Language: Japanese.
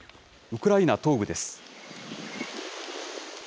ウクライナ東部です。